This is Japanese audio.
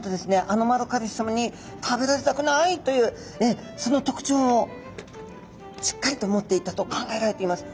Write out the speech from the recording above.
アノマロカリスさまに食べられたくないというそのとくちょうをしっかりと持っていたと考えられています。